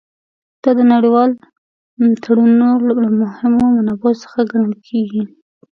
دا د نړیوالو تړونونو له مهمو منابعو څخه ګڼل کیږي